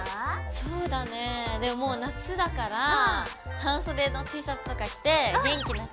そうだねもう夏だから半袖のＴシャツとか着て元気な感じでつけたいよね。